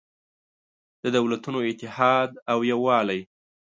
د دولتونو اتحاد او یووالی